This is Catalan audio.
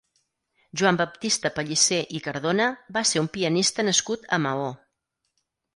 Joan Baptista Pellicer i Cardona va ser un pianista nascut a Maó.